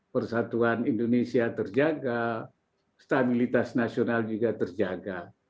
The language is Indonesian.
persatuan indonesia terjaga stabilitas nasional juga terjaga